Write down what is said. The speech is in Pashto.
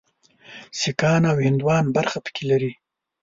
سیکهان او هندوان برخه پکې لري.